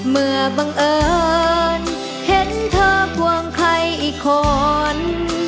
บังเอิญเห็นเธอควงใครอีกคน